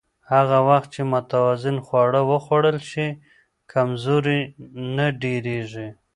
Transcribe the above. هغه وخت چې متوازن خواړه وخوړل شي، کمزوري نه ډېریږي.